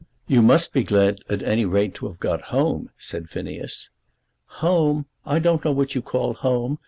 "You must be glad at any rate to have got home," said Phineas. "Home! I don't know what you call home.